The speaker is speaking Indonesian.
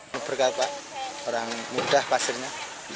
berkah pak orang muda pasirnya